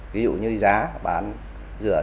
ví dụ như giá bán giữa xăng e năm